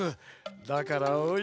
だからおいで！